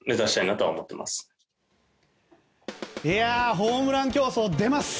ホームラン競争出ます！